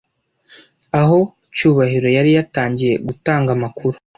aho cyubahiro ari yatangiye gutanga amakuru